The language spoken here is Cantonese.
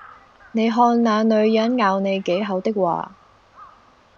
你看那女人「咬你幾口」的話，